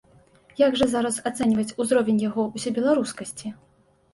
Як жа зараз ацэньваць узровень яго ўсебеларускасці?